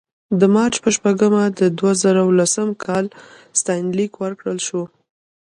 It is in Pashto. د مارچ په شپږمه د دوه زره دولسم کال ستاینلیک ورکړل شو.